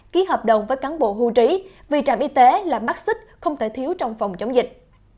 ký hợp đồng với cán bộ hưu trí vì trạm y tế là mắc xích không thể thiếu trong phòng chống dịch